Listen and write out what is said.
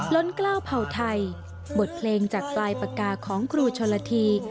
ล้นกล้าวเผ่าไทยบทเพลงจากปลายปากกาของครูชนละที